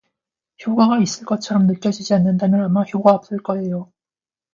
효과가 있을 것처럼 느껴지지 않는다면 아마 효과 없을 거예요.